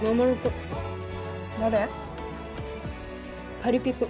パリピ君。